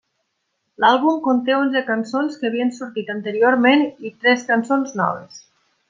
L'àlbum conté onze cançons que havien sortit anteriorment i tres cançons noves.